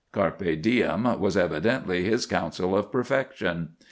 Carpe diem was evidently his counsel of perfection.